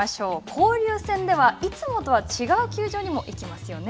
交流戦では、いつもとは違う球場にも行きますよね。